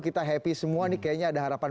kita happy semua nih kayaknya ada harapan